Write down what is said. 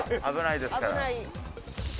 危ないですから。